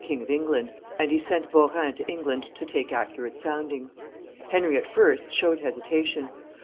King of England, and he sent Beaurain to England to take accurate soundings. Henry at first showed hesitation.